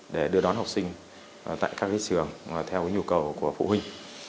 để đưa đón học sinh tại các trường theo nhu cầu của phụ huynh